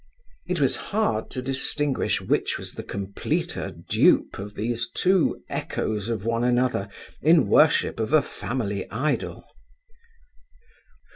It was hard to distinguish which was the completer dupe of these two echoes of one another in worship of a family idol.